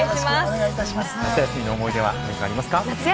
夏休みの思い出はありますか？